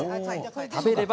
「食べれば」